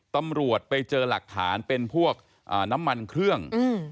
ตำรวจไปเจอหลักฐานเป็นพวกน้ำมันเครื่อง